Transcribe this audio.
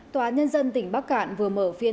tòa nhân dân tỉnh bắc cạn vừa mở phiên